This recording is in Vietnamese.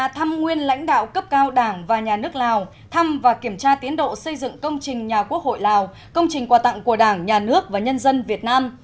thăm nguyên lãnh đạo cấp cao đảng và nhà nước lào thăm và kiểm tra tiến độ xây dựng công trình nhà quốc hội lào công trình quà tặng của đảng nhà nước và nhân dân việt nam